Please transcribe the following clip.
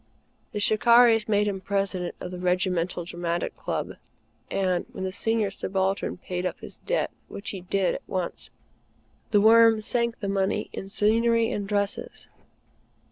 The "Shikarris" made him President of the Regimental Dramatic Club; and, when the Senior Subaltern paid up his debt, which he did at once, The Worm sank the money in scenery and dresses.